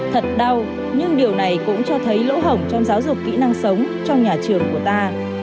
thật đau nhưng điều này cũng cho thấy lỗ hổng trong giáo dục kỹ năng sống trong nhà trường của ta